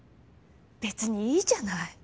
べつにいいじゃない。